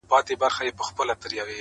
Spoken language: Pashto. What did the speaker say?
باران وسو، چاکونه پټ سول.